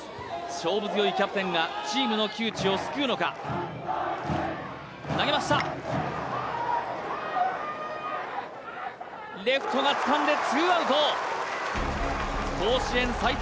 勝負強いキャプテンがチームの窮地を救うのか投げましたレフトがつかんで２アウト甲子園最多